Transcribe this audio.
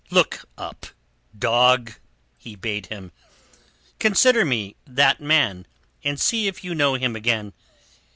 "Look up, dog," he bade him. "Consider me that man, and see if you know him again.